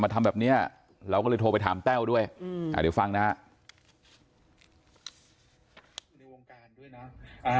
ทำแบบนี้เราก็เลยโทรไปถามแต้วด้วยเดี๋ยวฟังนะฮะ